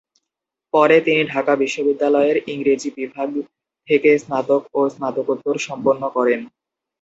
পরে তিনি ঢাকা বিশ্ববিদ্যালয়ের ইংরেজি বিভাগ থেকে স্নাতক ও স্নাতকোত্তর সম্পন্ন করেন।